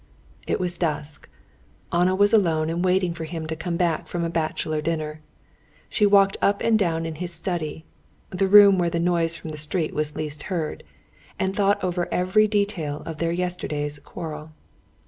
It was dusk. Anna was alone, and waiting for him to come back from a bachelor dinner. She walked up and down in his study (the room where the noise from the street was least heard), and thought over every detail of their yesterday's quarrel.